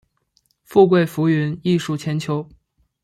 富贵浮云，艺术千秋